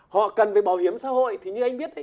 họ cần về bảo hiểm xã hội thì như anh biết